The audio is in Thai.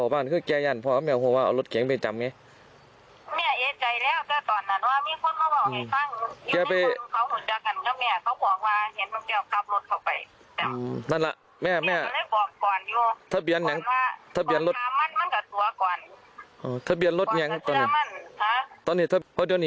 โอ้นี่ไงไม่ได้ผ่อนมา๓เดือนแล้ว